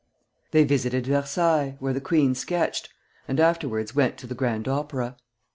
They visited Versailles (where the queen sketched), and afterwards went to the Grand Opera.